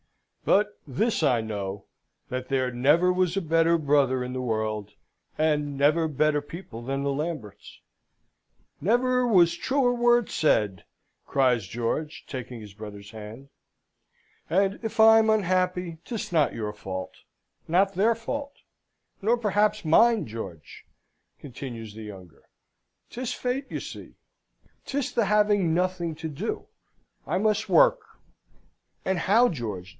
"But this I know, that there never was a better brother in the world; and never better people than the Lamberts." "Never was truer word said!" cries George, taking his brother's hand. "And if I'm unhappy, 'tis not your fault nor their fault nor perhaps mine, George," continues the younger. 'Tis fate, you see, 'tis the having nothing to do. I must work; and how, George?